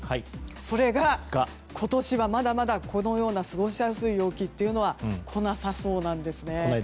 それが、今年はまだまだこのような過ごしやすい陽気は来なさそうなんですね。